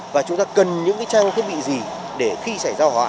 và chúng ta cần những trang thiết bị gì để khi xảy ra hóa